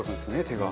手が。